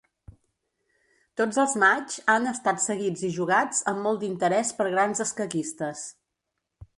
Tots els matxs han estat seguits i jugats amb molt d'interès per grans escaquistes.